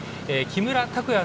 木村拓也